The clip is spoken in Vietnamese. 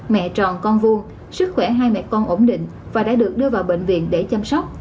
mẹ tròn con vuông sức khỏe hai mẹ con ổn định và đã được đưa vào bệnh viện để chăm sóc